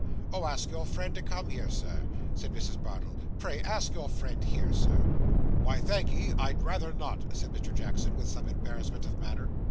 'Oh, ask your friend to come here, Sir,' said Mrs. Bardell. 'Pray ask your friend here, Sir.' 'Why, thank'ee, I'd rather not,' said Mr. Jackson, with some embarrassment of manner.